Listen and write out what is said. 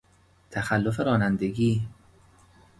تخلف رانندگی